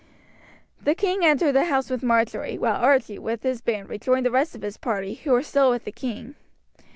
The king entered the house with Marjory, while Archie, with his band, rejoined the rest of his party, who were still with the king.